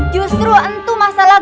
justru entu masalah